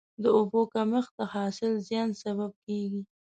د اوبو کمښت د حاصل زیان سبب کېږي.